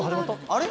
あれ？